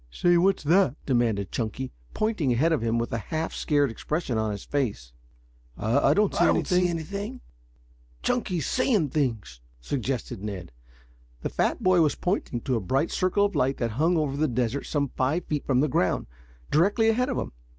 "Say, what's that?" demanded Chunky, pointing ahead of him, with a half scared expression on his face. "I don't see anything," answered the other lads. "Chunky's 'seeing things,'" suggested Ned. The fat boy was pointing to a bright circle of light that hung over the desert some five feet from the ground, directly ahead of him.